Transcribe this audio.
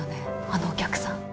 あのお客さん。